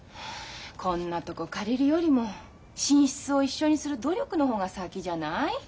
こんなとこ借りるよりも寝室を一緒にする努力の方が先じゃない？